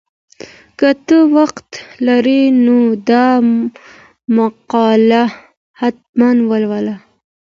که ته وخت لرې نو دا مقاله حتماً ولوله.